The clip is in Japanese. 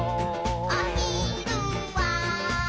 「おひるは」